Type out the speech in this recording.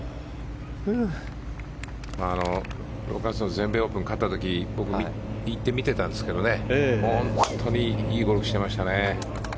全米オープンに勝った時僕、行って見てたんですけど本当にいいゴルフをしてました。